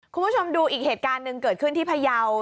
คุณผู้ชมดูอีกเหตุการณ์หนึ่งเกิดขึ้นที่พยาว